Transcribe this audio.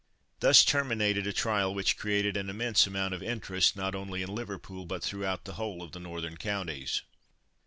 Thus terminated a trial which created an immense amount of interest, not only in Liverpool, but throughout the whole of the northern counties.